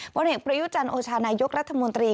บริเวณประยุจันทร์โอชาณายกรัฐมนตรี